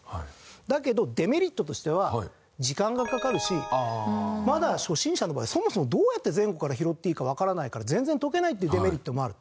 だけどデメリットとしては時間がかかるしまだ初心者の場合そもそもどうやって前後から拾っていいかわからないから全然解けないというデメリットもある。